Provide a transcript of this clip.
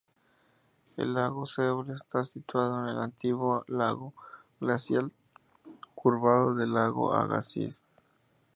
El lago Seul está situado en el antiguo lago glacial curvado de lago Agassiz.